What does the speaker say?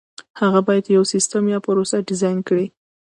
هغه باید یو سیسټم یا پروسه ډیزاین کړي.